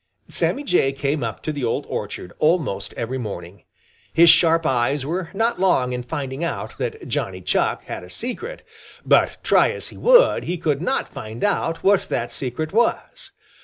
Sammy Jay came up to the old orchard almost every morning. His sharp eyes were not long in finding out that Johnny Chuck had a secret, but try as he would he could not find out what that secret was.